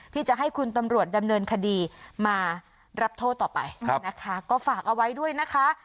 ที่จะให้คุณตำรวจดำเนินคดีมารับโทษต่อไปนะคะก็ฝากเอาไว้ด้วยนะคะ